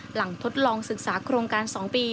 ทดลองศึกษาโครงการ๒ปี